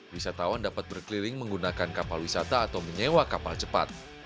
wisatawan dapat berkeliling menggunakan kapal wisata atau menyewa kapal cepat